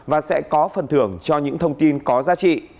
và sẽ có phần thưởng cho những thông tin có giá trị